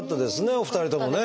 お二人ともね。